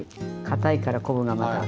かたいから昆布がまだ。